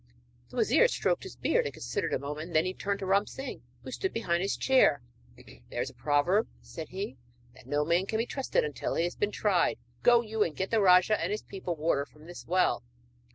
The wazir stroked his beard and considered a moment. Then he turned to Ram Singh who stood behind his chair. 'There is a proverb,' said he, 'that no man can be trusted until he has been tried. Go you and get the rajah and his people water from this well.'